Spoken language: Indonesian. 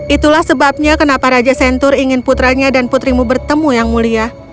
itulah sebabnya kenapa raja sentur ingin putranya dan putrimu bertemu yang mulia